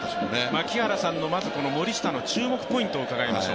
槙原さんのまず森下の注目ポイントを伺いましょう。